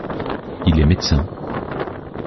Il est médecin.